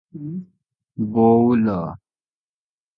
"ବୋଉଲୋ!